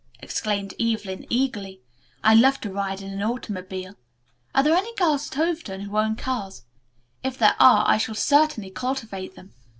exclaimed Evelyn eagerly. "I love to ride in an automobile. Are there any girls at Overton who own cars? If there are I shall certainly cultivate them.